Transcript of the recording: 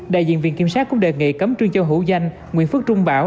đại diện viện kiểm sát cũng đề nghị cấm trương cho hữu danh nguyễn phước trung bảo